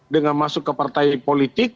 dengan masuk ke partai politik